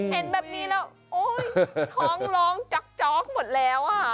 เห็นแบบนี้แล้วท้องร้องจ๊อกหมดแล้วอ่ะ